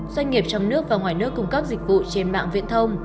doanh nghiệp trong nước và ngoài nước cung cấp dịch vụ trên mạng viễn thông